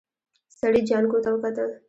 سړي جانکو ته وکتل.